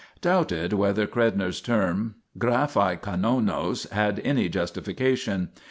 doubted whether Credner's term ygcKpai XO.VOVOQ had any justification.